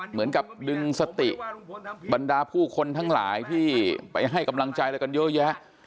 เหมือนกับดึงสติบรรดาผู้คนทั้งหลายที่ไปให้กำลังใจอะไรกันเยอะแยะ